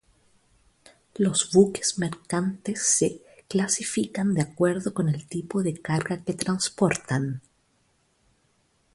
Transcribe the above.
Los buques mercantes se clasifican de acuerdo con el tipo de carga que transportan.